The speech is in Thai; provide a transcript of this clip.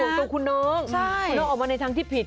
ส่วนตัวคุณน้องคุณน้องออกมาในทางที่ผิด